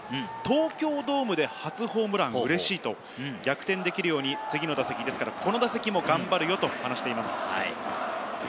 東京ドームで初ホームラン、うれしい、逆転できるように次の打席、この打席も頑張るよと話しています。